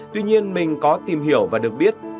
tuy nhiên mình có tìm hiểu và được biết